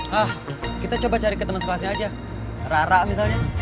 hah kita coba cari ke teman sekelasnya aja rara misalnya